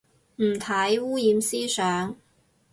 唔睇，污染思想